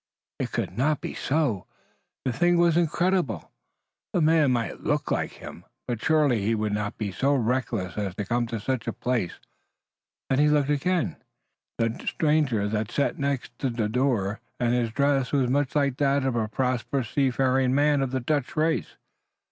It could not be so! The thing was incredible! The man might look like him, but surely he would not be so reckless as to come to such a place. Then he looked again, and he could no longer doubt. The stranger sat near the door and his dress was much like that of a prosperous seafaring man of the Dutch race.